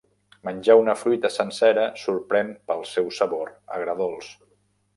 Menjar una fruita sencera sorprèn pel seu sabor agredolç.